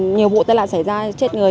nhiều vụ tai nạn xảy ra chết người